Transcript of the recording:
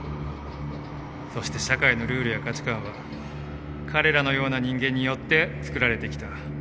そして社会のルールや価値観は彼らのような人間によってつくられてきた。